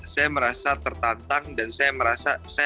saya merasa tertantang dan saya merasa saya harus mengetahui